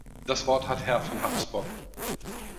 Das Wort hat Herr von Habsburg.